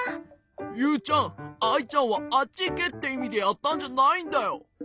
ユウちゃんアイちゃんはあっちいけっていみでやったんじゃないんだよ。